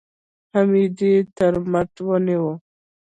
حميديې تر مټ ونيو.